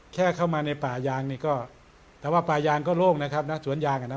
แค่เข้ามาในป่ายางนี่ก็แต่ว่าป่ายางก็โล่งนะครับนะสวนยางอ่ะนะ